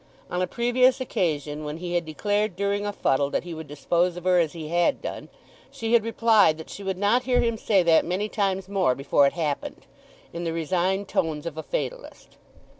On a previous occasion when he had declared during a fuddle that he would dispose of her as he had done, she had replied that she would not hear him say that many times more before it happened, in the resigned tones of a fatalist....